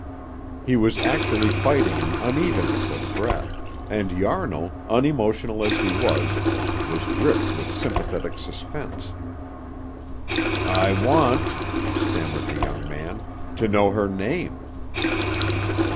He was actually fighting an unevenness of breath, and Yarnall, unemotional as he was, was gripped with sympathetic suspense. "I want," stammered the young man, "to know her name."